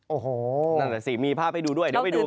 โอ้โหนั่นแหละสิมีภาพให้ดูด้วยเดี๋ยวไปดู